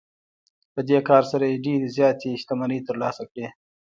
په دې کار سره یې ډېرې زیاتې شتمنۍ ترلاسه کړې